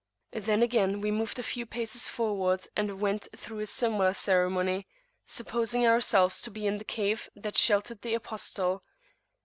Then again we moved a few paces forward and went through a similar ceremony, supposing ourselves to be in the cave that sheltered the Apostle.